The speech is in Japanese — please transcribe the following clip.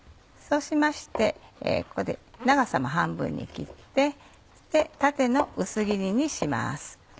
そうしましてここで長さも半分に切って縦の薄切りにします。